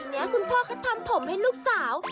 สมัยเนี่ยคุณพ่อเขาทำผมให้ลูกสาว